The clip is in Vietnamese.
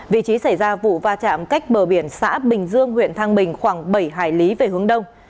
vị trí xảy ra vụ va chạm cách bờ biển xã bình dương huyện thang bình khoảng bảy hải lý về hướng đông